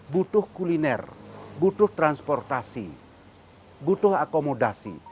butuh kuliner butuh transportasi butuh akomodasi